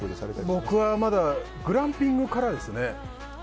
僕はまだグランピングからですね。